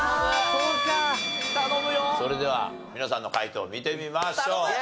それでは皆さんの解答を見てみましょう。